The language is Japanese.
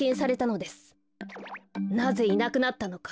なぜいなくなったのか。